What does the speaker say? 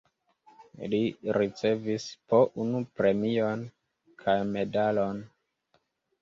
Li ricevis po unu premion kaj medalon.